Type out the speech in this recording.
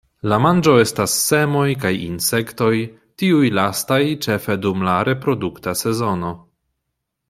La manĝo estas semoj kaj insektoj, tiuj lastaj ĉefe dum la reprodukta sezono.